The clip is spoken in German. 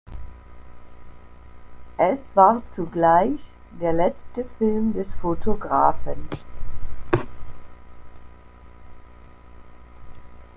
Es war zugleich der letzte Film des Fotografen.